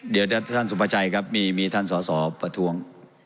เดี๋ยวท่านสุภาชัยครับมีท่านสอสอประท้วง